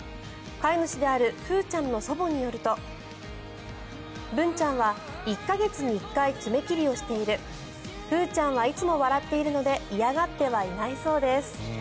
飼い主であるふーちゃんの祖母によるとブンちゃんは１か月に１回爪切りをしているふーちゃんはいつも笑っているので嫌がってはいないそうです。